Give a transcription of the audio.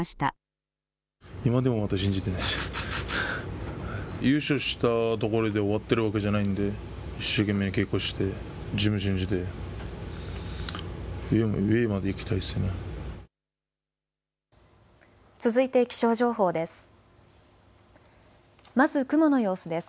続いて気象情報です。